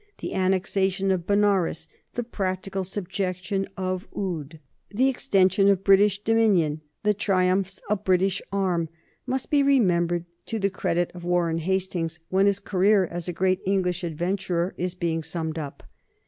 The annexation of Benares, the practical subjection of Oude, the extension of British dominion, the triumphs of British arms, must be remembered to the credit of Warren Hastings when his career as a great English adventurer is being summed up.